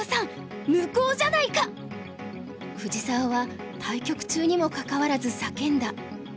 藤沢は対局中にもかかわらず叫んだ。